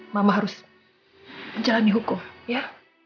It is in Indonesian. mama harus menjalani hukum ya